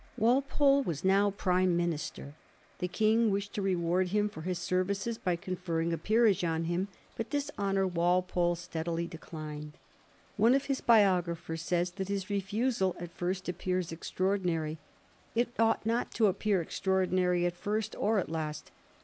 Walpolb was now prime minister. The King wished to reward him for his services by conferring a peerage on him, but this honom* Walpole steadily declined. One of his biographers says that his refusal ^ at first appears extraordinary.' It ought not to appear extraordinary at first or at last.